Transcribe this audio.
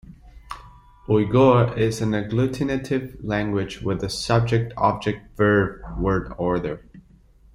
Uyghur is an agglutinative language with a subject-object-verb word order.